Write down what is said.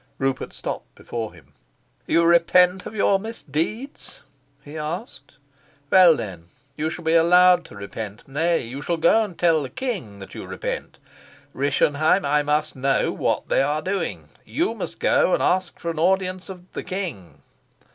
Rupert stopped before him. "You repent of your misdeeds?" he asked. "Well, then, you shall be allowed to repent. Nay, you shall go and tell the king that you repent. Rischenheim, I must know what they are doing. You must go and ask an audience of the king."